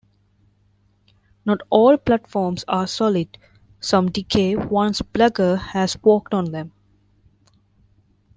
Not all platforms are solid, some decay once Blagger has walked on them.